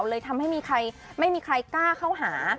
เลยทำให้ไม่มีใครกล้าเข้าหา